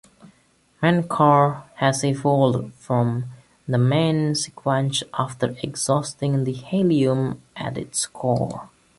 Menkar has evolved from the main sequence after exhausting the helium at its core.